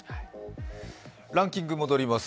ランキングに戻ります。